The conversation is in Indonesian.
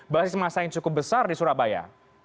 basis masa yang cukup besar di surabaya